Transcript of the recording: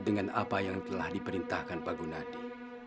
dengan apa yang telah diperintahkan pak gunadi